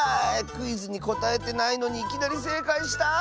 クイズにこたえてないのにいきなりせいかいした。